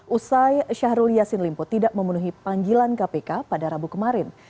usai syahrul yassin limpo tidak memenuhi panggilan kpk pada rabu kemarin